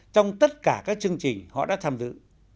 trong tất cả các chương trình họ đã tham dự